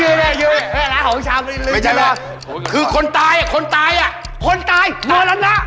ยืนร้านของชำไม่ใช่แหละคือคนตายอ่ะคนตายอ่ะคนตายเหมือนละนะ